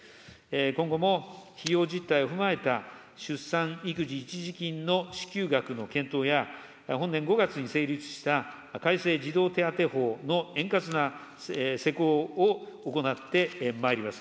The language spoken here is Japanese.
今後も、費用実態を踏まえた出産育児一時金の支給額の検討や、本年５月に成立した改正児童手当法の円滑な施行を行ってまいります。